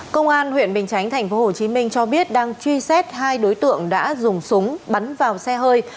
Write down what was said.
công an huyện bình chánh tp hcm cho biết đang truy xét hai đối tượng đã dùng súng bắn vào xe hơi